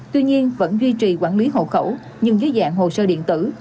tuy nhiên vẫn duy trì quản lý hộ khẩu nhưng dưới dạng hồ sơ điện tử